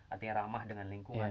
artinya ramah dengan lingkungan